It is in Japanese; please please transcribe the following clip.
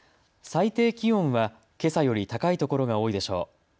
最低気温はけさより高い所が多いでしょう。